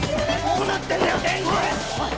どうなってんだよ天智！